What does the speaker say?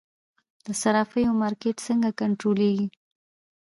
د صرافیو مارکیټ څنګه کنټرولیږي؟